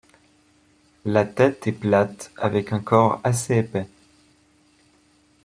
La tête est plate, avec un corps assez épais.